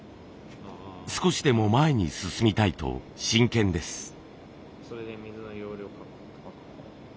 少しでも前に進みたいと真剣です。